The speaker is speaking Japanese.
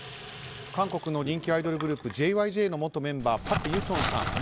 韓国の人気アイドルグループＪＹＪの元メンバー、パク・ユチョンさん